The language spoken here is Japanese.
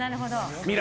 未来